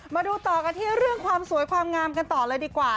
มาดูต่อกันที่เรื่องความสวยความงามกันต่อเลยดีกว่า